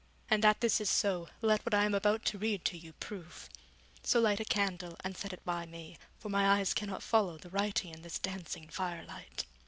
And that this is so let what I am about to read to you prove; so light a candle and set it by me, for my eyes cannot follow the writing in this dancing firelight.'